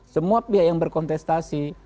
semua pihak yang berkontestasi